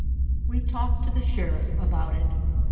We talked to the Sheriff about it.